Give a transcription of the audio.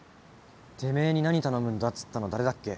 てめえに何頼むんだっつったの誰だっけ？